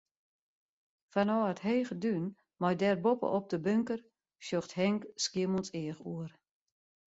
Fanôf it hege dún mei dêr boppe-op de bunker, sjocht Henk Skiermûntseach oer.